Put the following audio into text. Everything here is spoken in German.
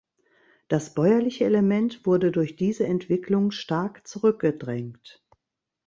Das bäuerliche Element wurde durch diese Entwicklung stark zurückgedrängt.